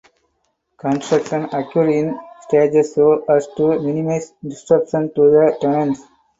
Construction occurred in stages so as to minimise disruption to the tenants.